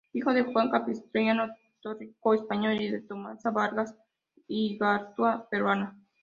Hijo de Juan Capistrano Torrico, español, y de Tomasa Bargas Igartua, peruana.